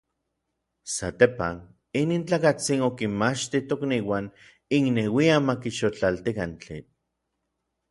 Satepan, inin tlakatsin okinmachti tokniuan inneuian makixotlaltikan titl.